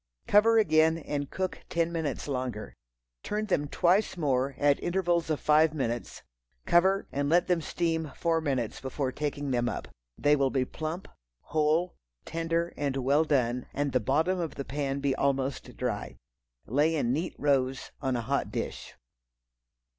Cover again and cook ten minutes longer. Turn them twice more, at intervals of five minutes, cover, and let them steam four minutes before taking them up. They will be plump, whole, tender and well done, and the bottom of the pan be almost dry. Lay in neat rows on a hot dish.